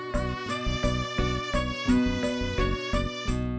nah makasih ya jatolat